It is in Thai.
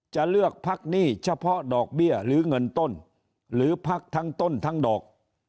จะเลือกพักหนี้เฉพาะดอกเบี้ยหรือเงินต้นหรือพักทั้งต้นทั้งดอก